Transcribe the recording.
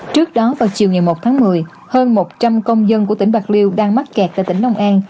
trước đó vào chiều ngày một tháng một mươi hơn một trăm linh công dân của tỉnh bạc liêu đang mắc kẹt tại tỉnh long an